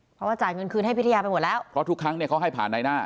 เพราะว่าจ่ายเงินคืนให้พิทยาไปหมดแล้วเพราะทุกครั้งเนี่ยเขาให้ผ่านในหน้า